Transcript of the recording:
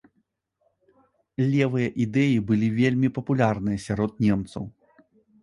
Левыя ідэі былі вельмі папулярныя сярод немцаў.